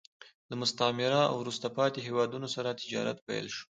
له مستعمره او وروسته پاتې هېوادونو سره تجارت پیل شو